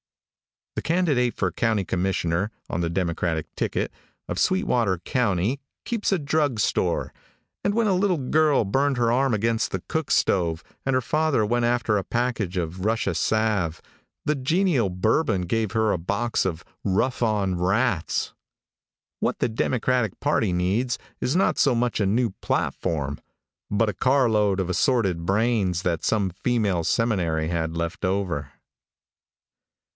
|THE candidate for county commissioner, on the Democratic ticket, of Sweetwater county, keeps a drug store, and when a little girl burned her arm against the cook stove, and her father went after a package of Russia salve, the genial Bourbon gave her a box of "Rough on Rats." What the Democratic party needs, is not so much a new platform, but a carload of assorted brains that some female seminary had left over.